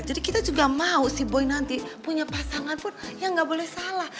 jadi kita juga mau si boy nanti punya pasangan pun yang ga boleh salah